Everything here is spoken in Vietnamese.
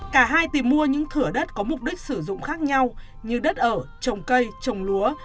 cả hai tìm mua những thửa đất có mục đích sử dụng khác nhau như đất ở trồng cây trồng lúa